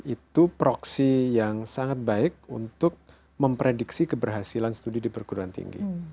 itu proksi yang sangat baik untuk memprediksi keberhasilan studi di perguruan tinggi